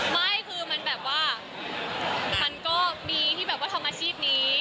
ไม่คือมันแบบว่ามันก็มีที่แบบว่าทำอาชีพนี้